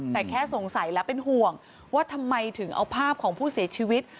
แต่แค่สงสัยและเป็นห่วงว่าทำไมถึงเอาภาพของผู้เสียชีวิต